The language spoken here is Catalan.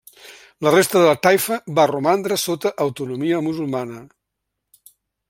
La resta de la taifa va romandre sota autonomia musulmana.